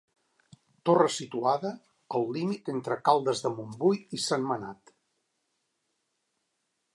Torre situada al límit entre Caldes de Montbui i Sentmenat.